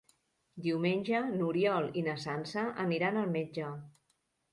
Diumenge n'Oriol i na Sança aniran al metge.